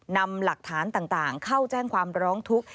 นำหลักฐานต่างเข้าแจ้งความร้องทุกข์